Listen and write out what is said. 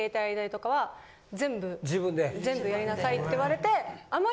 全部やりなさいって言われて。